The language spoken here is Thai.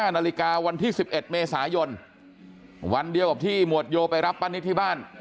นาฬิกาวันที่๑๑เมษายนวันเดียวกับที่หมวดโยไปรับป้านิตที่บ้าน